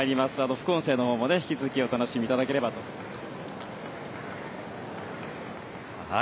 副音声のほうも引き続きお楽しみいただければと思います。